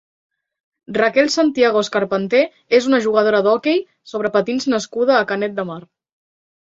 Raquel Santiago Escarpenter és una jugadora d'hoquei sobre patins nascuda a Canet de Mar.